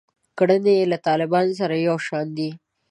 کړنې یې له طالبانو سره یو شان دي.